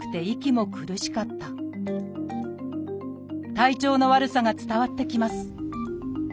体調の悪さが伝わってきます